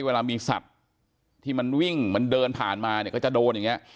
เวลามีสัตว์ที่มันวิ่งมันเดินผ่านมาเนี่ยก็จะโดนอย่างนี้